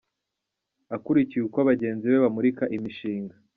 Akurikiye uko bagenzi be bamurika imishinga.